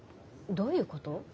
どういうこと？